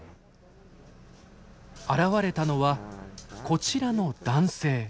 現れたのはこちらの男性。